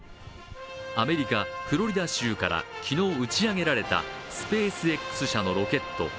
アメリカ・フロリダ州から昨日打ち上げられた、スペースＸ社のロケット。